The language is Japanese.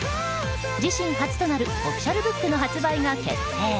自身初となるオフィシャルブックの発売が決定。